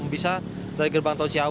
bisa dari gerbang tol ciawi